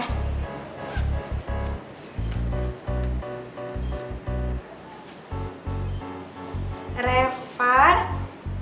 oke makasih pak